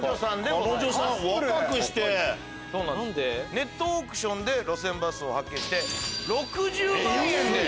ネットオークションで路線バスを発見して。